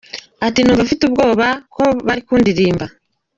Ati “Numva mfite ubwoba ko bari kundirimba.